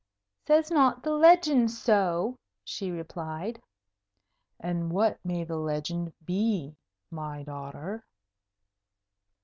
"Says not the legend so?" she replied. "And what may the legend be, my daughter?"